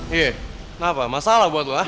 iya kenapa masalah buat lo ah